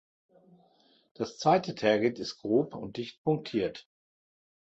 Das zweite Tergit ist grob und dicht punktiert.